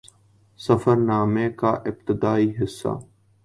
سفر نامے کا ابتدائی حصہ